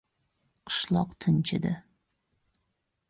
Qishloq tinchidi.